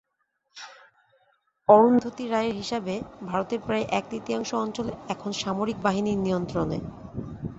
অরুন্ধতী রায়ের হিসাবে, ভারতের প্রায় এক-তৃতীয়াংশ অঞ্চল এখন সামরিক বাহিনীর নিয়ন্ত্রণে।